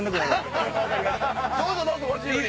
どうぞどうぞご自由に。